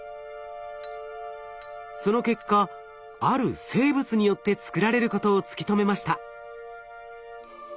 その結果ある生物によって作られることを突き止めました。